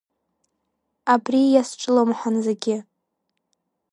Абри иазҿлымҳан зегьы.